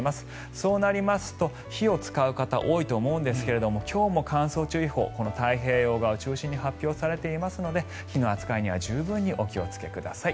そうなりますと火を使う方多いと思うんですが今日も乾燥注意報太平洋側を中心に発表されておりますので火の扱いには十分にお気をつけください。